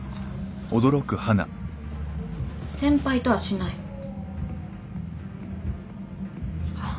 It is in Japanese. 先輩とはしない？あっ。